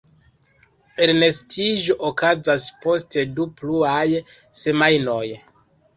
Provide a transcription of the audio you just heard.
Elnestiĝo okazas post du pluaj semajnoj.